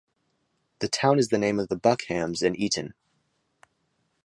The town is the name of the Buck hams in Eaten.